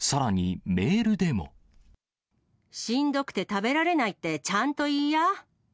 しんどくて食べられないってちゃんといいや。